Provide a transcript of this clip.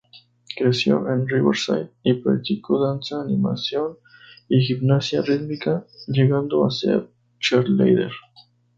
Creció en Riverside y practicó danza, animación y gimnasia rítmica, llegando a ser cheerleader.